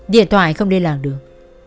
điện thoại không lên làng được